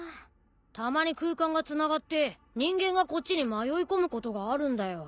たまに空間がつながって人間がこっちに迷い込むことがあるんだよ。